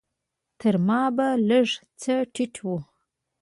تر ما به لږ څه ټيټ و.